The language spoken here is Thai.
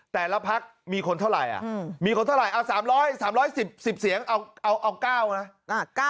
แต่ละพักมีคนเท่าไรเอา๓๑๐เสียงเอา๙นะ